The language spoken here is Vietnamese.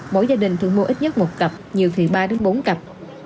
mỗi gia đình thường mua ít nhất một cặp nhiều thì ba đến bốn cặp